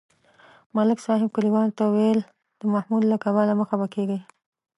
ملک صاحب کلیوالو ته ویل: د محمود له کبله مه خپه کېږئ.